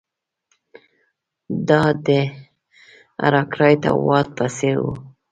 دا د ارکرایټ او واټ په څېر وو.